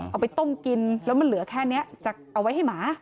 เอาไปต้มกินแล้วมันเหลือแค่นี้จะเอาไว้ให้หมา